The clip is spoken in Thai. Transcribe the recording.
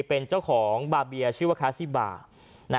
เป็นเจ้าของบาเบียชื่อว่าคาซิบา